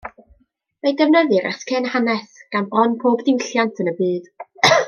Fe'i defnyddir ers cyn hanes, gan bron pob diwylliant yn y byd.